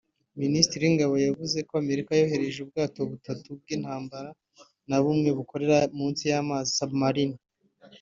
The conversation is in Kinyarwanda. Minisiteri y’Ingabo yavuze ko Amerika yohereje ubwato butatu bw’intambara na bumwe bukorera munsi y’amazi (submarine)